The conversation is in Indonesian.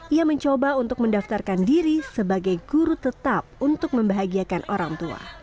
ia mencoba untuk mendaftarkan diri sebagai guru tetap untuk membahagiakan orang tua